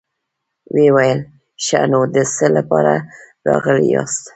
ويې ويل: ښه نو، د څه له پاره راغلي ياست؟